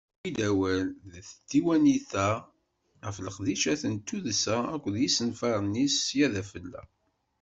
Newwi-d awal deg tdiwennit-a ɣef leqdicat n tuddsa akked yisenfaren-is sya d afella.